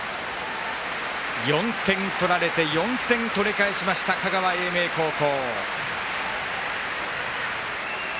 ４点取られて４点取り返しました香川・英明高校。